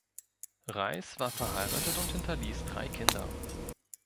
Reiss war verheiratet und hinterließ drei Kinder.